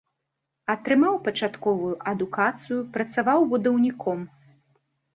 Атрымаў пачатковую адукацыю, працаваў будаўніком.